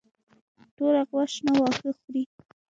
توره غوا شنه واښه خوري.